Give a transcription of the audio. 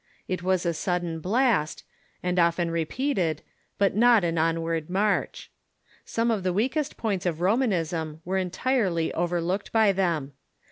It was a sudden blast, and often repeated, but not an onward march. Some of the weakest points of Romanism were entirelj' overlooked by them.